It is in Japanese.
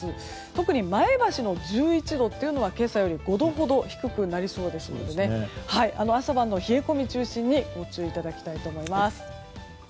特に前橋の１１度というのは今朝より、５度ほど低くなりそうですので朝晩の冷え込み中心にご注意いただきたいと思います。